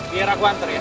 biar aku anter ya